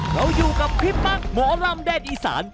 เราอยู่กับพี่ปั๊กหมอลำแดนอีสาน